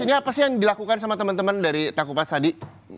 ini apa sih yang dilakukan sama temen temen dari taku pas tadi